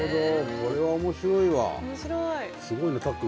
これは面白いわ。